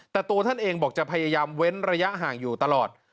แต่ตัวท่านเองบอกจะพยายามเว้นระยะห่างอยู่ตลอด